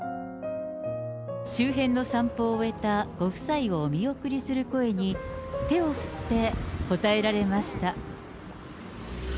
周辺の散歩を終えたご夫妻をお見送りする声に、手を振って応えられました。